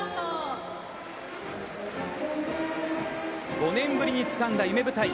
５年ぶりにつかんだ夢舞台。